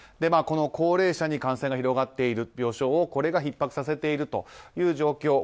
高齢者に感染が広がっている病床を、これがひっ迫させているという状況